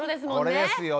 これですよ。